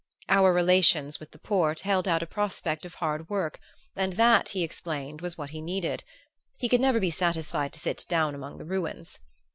Our relations with the Porte held out a prospect of hard work, and that, he explained, was what he needed. He could never be satisfied to sit down among the ruins.